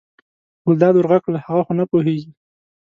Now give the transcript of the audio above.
ګلداد ور غږ کړل هغه خو نه پوهېږي.